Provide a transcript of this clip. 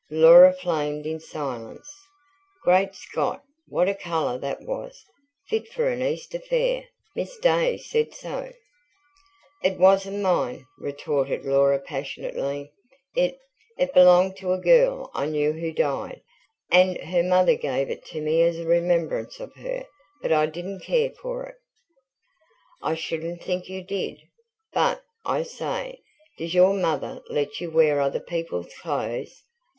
Laura flamed in silence. "Great Scott, what a colour that was! Fit for an Easter Fair Miss Day said so." "It wasn't mine," retorted Laura passionately. "It ... it belonged to a girl I knew who died and her mother gave it to me as a remembrance of her but I didn't care for it." "I shouldn't think you did. But I say, does your mother let you wear other people's clothes?